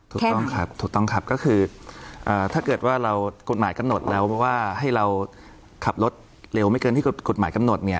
ถูกต้องครับถูกต้องครับก็คือถ้าเกิดว่าเรากฎหมายกำหนดแล้วว่าให้เราขับรถเร็วไม่เกินที่กฎหมายกำหนดเนี่ย